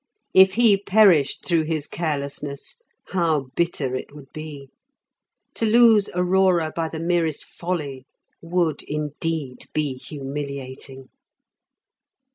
If he perished through his carelessness, how bitter it would be! To lose Aurora by the merest folly would, indeed, be humiliating.